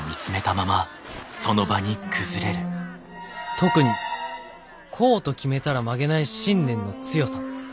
「特にこうと決めたら曲げない信念の強さ。